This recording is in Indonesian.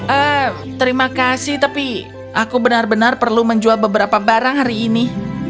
eh terima kasih tapi aku benar benar perlu menjual beberapa barang hari ini